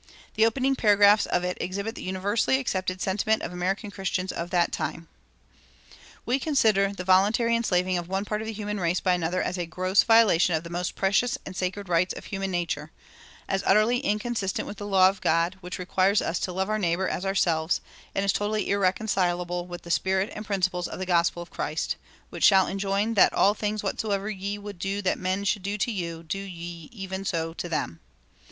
The opening paragraphs of it exhibit the universally accepted sentiment of American Christians of that time: "We consider the voluntary enslaving of one part of the human race by another as a gross violation of the most precious and sacred rights of human nature; as utterly inconsistent with the law of God, which requires us to love our neighbor as ourselves; and as totally irreconcilable with the spirit and principles of the gospel of Christ, which enjoin that 'all things whatsoever ye would that men should do to you, do ye even so to them.'